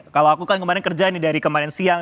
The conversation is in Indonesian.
kalau aku kan kemarin kerja nih dari kemarin siang